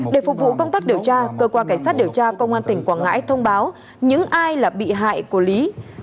để phục vụ công tác điều tra cơ quan cảnh sát điều tra công an tỉnh quảng ngãi thông báo những ai là bị hại của lý